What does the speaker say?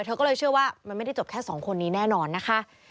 เธอก็เลยเชื่อว่ามันไม่ได้จบแค่สองคนนี้แน่นอนนะคะ